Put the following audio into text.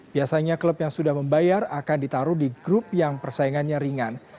biasanya klub yang sudah membayar akan ditaruh di grup yang persaingannya ringan